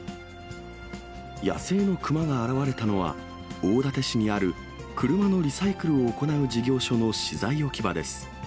野生の熊が現れたのは、大館市にある車のリサイクルを行う事業所の資材置き場です。